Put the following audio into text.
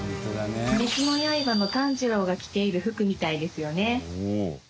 『鬼滅の刃』の炭治郎が着ている服みたいですよね。